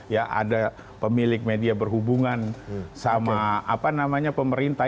ya ada pemilik media berhubungan sama apa namanya pemerintah